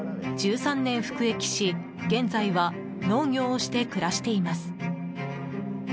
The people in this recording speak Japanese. １３年服役し、現在は農業をして暮らしています。